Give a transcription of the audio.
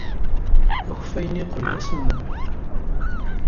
Akeffay-nni yeqqel d asemmam.